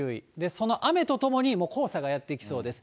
その雨とともに、もう黄砂がやって来そうです。